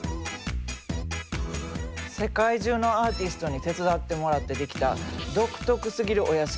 世界中のアーティストに手伝ってもらってできた独特すぎるお屋敷。